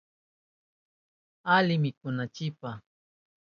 Ali mikunanchipa.